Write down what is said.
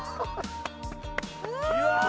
うわ！